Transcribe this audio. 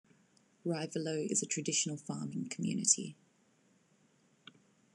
Reivilo is a traditional farming community.